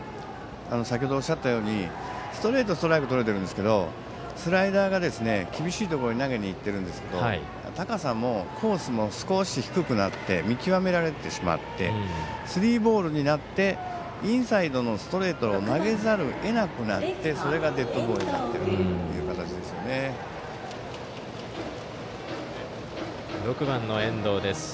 先程おっしゃったようにストレートはストライクとれてるんですけどスライダーが厳しいところに投げにいっているんですけど高さもコースも少し低くなって見極められてしまってスリーボールになってインサイドのストレートを投げざるを得なくなってそれがデッドボールになっているバッターは６番の遠藤です。